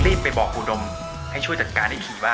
เตียต้องเป็นของแฟนคุณเดียว